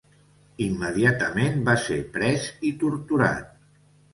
Immediatament va ser pres i torturat.